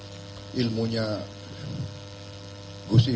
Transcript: apakah villa sm sudah storytel ini